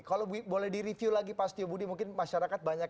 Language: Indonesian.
kalau boleh direview lagi pak setiobudi mungkin masyarakat banyak